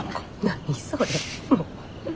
何それ。